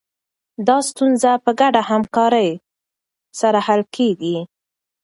دا ستونزه په ګډه همکارۍ سره حل کېږي.